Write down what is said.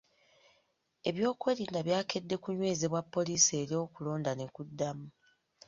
Ebyokwerinda byakedde kunywezebwa poliisi era okulonda ne kuddamu.